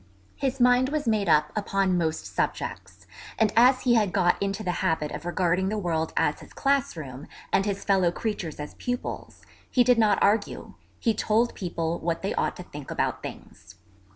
His mind was made up upon most subjects, and as he had got into the habit of regarding the world as his class room, and his fellow creatures as pupils, he did not argue; he told people what they ought to think about things.